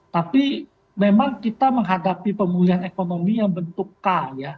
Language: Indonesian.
tapi memang kita menghadapi pemulihan ekonomi yang bentuk k ya